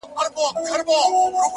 زه درته دعا سهار ماښام كوم؛